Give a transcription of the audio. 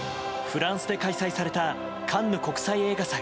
フランスで開催されたカンヌ国際映画祭。